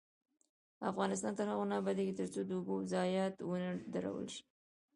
افغانستان تر هغو نه ابادیږي، ترڅو د اوبو ضایعات ونه درول شي.